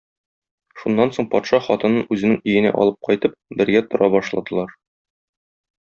Шуннан соң патша хатынын үзенең өенә алып кайтып, бергә тора башладылар.